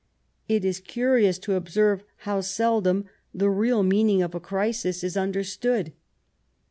It is curious to observe how seldom the real meaning of a crisis is under stood.